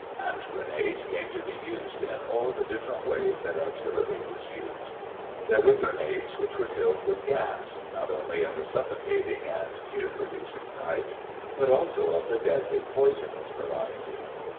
Hand grenades came to be used in all the different ways that artillery was used. There were grenades which were filled with gas, not only of the suffocating and tear producing types, but also of the deadly poisonous variety.